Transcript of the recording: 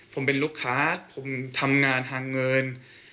ผมเป็นลูกค้าผมทำงานทางเงิน